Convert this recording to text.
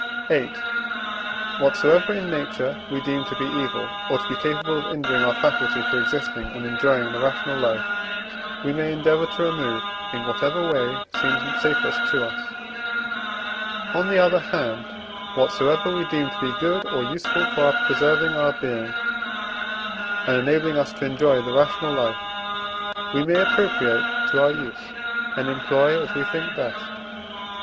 VIII. Whatsoever in nature we deem to be evil, or to be capable of injuring our faculty for existing and enjoying the rational life, we may endeavour to remove in whatever way seems safest to us; on the other hand, whatsoever we deem to be good or useful for preserving our being, and enabling us to enjoy the rational life, we may appropriate to our use and employ as we think best.